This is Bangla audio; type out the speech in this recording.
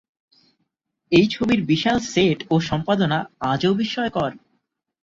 এ ছবির বিশাল সেট ও সম্পাদনা আজও বিস্ময়কর।